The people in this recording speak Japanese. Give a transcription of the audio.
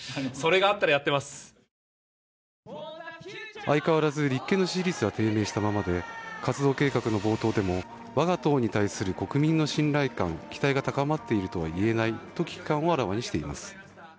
相変わらず立憲の支持率は低迷したままで、活動計画の冒頭でも、我が党に対する国民の信頼感、期待が高まっているとはいえないと危機感をあらわにしています。